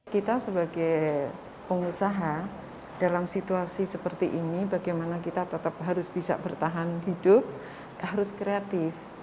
kita sebagai pengusaha dalam situasi seperti ini bagaimana kita tetap harus bisa bertahan hidup harus kreatif